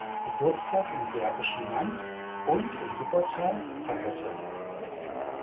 Geburtstag im Bergischen Land und in Wuppertal feierte.